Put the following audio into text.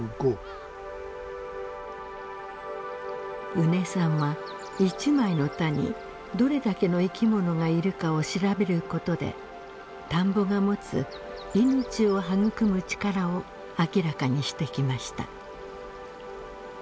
宇根さんは一枚の田にどれだけの生き物がいるかを調べることで田んぼが持つ命を育む力を明らかにしてきました。